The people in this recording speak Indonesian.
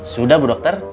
sudah bu dokter